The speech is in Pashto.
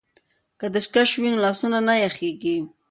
که دستکش وي نو لاسونه نه یخیږي.